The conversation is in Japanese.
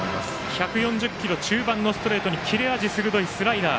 １４０キロ中盤のストレートに切れ味鋭いスライダー。